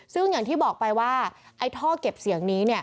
ซึ่งอย่างที่บอกไปว่าไอ้ท่อเก็บเสียงนี้